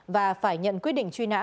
và phải nhận quyết định truy nã